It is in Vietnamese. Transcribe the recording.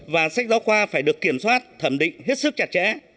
và sách giáo khoa phải được kiểm soát thẩm định hết sức chặt chẽ